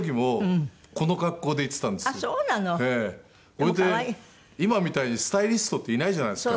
それで今みたいにスタイリストっていないじゃないですか。